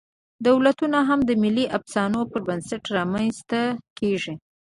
دولتونه هم د ملي افسانو پر بنسټ رامنځ ته کېږي.